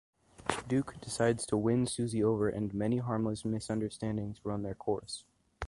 Duke decides to win Susie over and many harmless misunderstandings run their course.